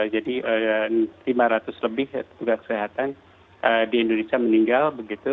jadi lima ratus lebih petugas kesehatan di indonesia meninggal